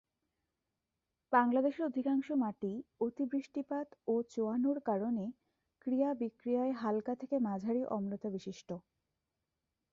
বাংলাদেশের অধিকাংশ মাটি অতি বৃষ্টিপাত ও চোয়ানোর কারণে ক্রিয়া-বিক্রিয়ায় হাল্কা থেকে মাঝারি অম্লতাবিশিষ্ট।